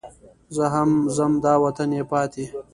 زه هم ځم دا وطن یې پاتې.